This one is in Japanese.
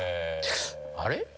あれ？